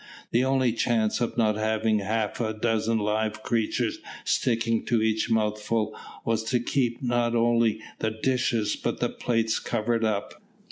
The only chance of not having half a dozen live creatures sticking to each mouthful was to keep not only the dishes but the plates covered up.